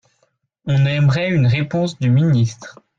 On aimerait une réponse du ministre